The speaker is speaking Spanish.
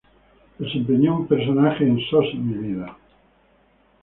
Desempeñó un personaje en "Sos mi vida".